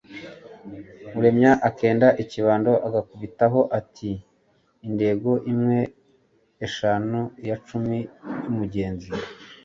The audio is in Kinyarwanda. Uremya akenda ikibando agakubitaho ati : Indengo imwe ,eshanu , ,iya cumi y’umugenzi